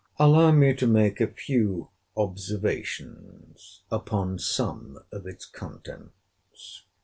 Allow me to make a few observations upon some of its contents.